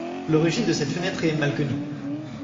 L'origine de cette fenêtre est mal connue.